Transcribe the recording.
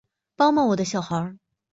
帮帮我的小孩